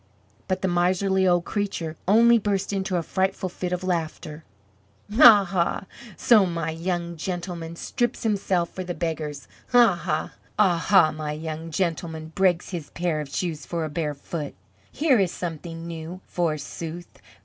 But the miserly old creature only burst into a frightful fit of laughter. "Aha! So my young gentleman strips himself for the beggars. Aha! My young gentleman breaks his pair of shoes for a bare foot! Here is something new, forsooth.